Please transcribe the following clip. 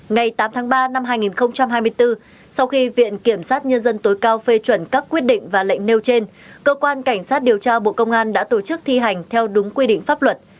ngày tám tháng ba năm hai nghìn hai mươi bốn sau khi viện kiểm sát nhân dân tối cao phê chuẩn các quyết định và lệnh nêu trên cơ quan cảnh sát điều tra bộ công an đã tổ chức thi hành theo đúng quy định pháp luật